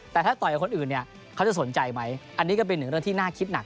แต่ถ้าต่อยกับคนอื่นเนี่ยเขาจะสนใจไหมอันนี้ก็เป็นหนึ่งเรื่องที่น่าคิดหนัก